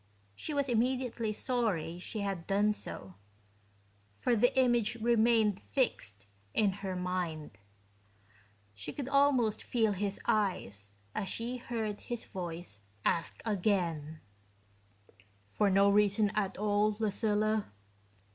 She was immediately sorry she had done so, for the image remained fixed in her mind; she could almost feel his eyes as she heard his voice ask again, "For no reason at all, Lucilla?"